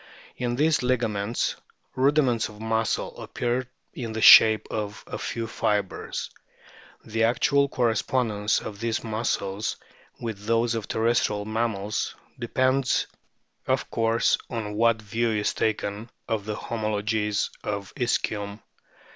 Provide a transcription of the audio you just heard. In these liga ments rudiments of muscle appear in the shape of a few fibres. The actual correspondence of these muscles with those of terrestrial mammals depends of course on what view is taken of the homologies of the ischium.